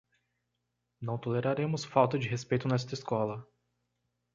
Não toleraremos falta de respeito nesta escola